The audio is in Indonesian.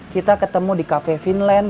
kita ketemu di cafe finland